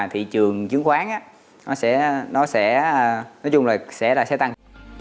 thị trường chứng khoán á nó sẽ nó sẽ nói chung là sẽ là sẽ tăng